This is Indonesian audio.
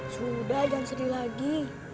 sudah jangan sedih lagi